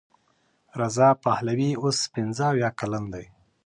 رضا پهلوي اوس پنځه اویا کلن دی.